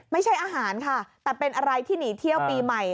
ไม่ใช่อาหารค่ะแต่เป็นอะไรที่หนีเที่ยวปีใหม่